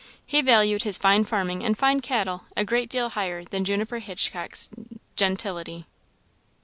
He valued his fine farming and fine cattle a great deal higher than Juniper Hitchcock's gentility.